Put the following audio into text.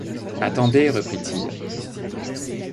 Attendez, reprit-il.